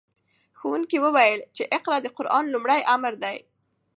ښوونکي وویل چې اقرأ د قرآن لومړی امر دی.